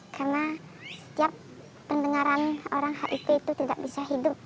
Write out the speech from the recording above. karena setiap pendengaran orang hiv itu tidak bisa hidup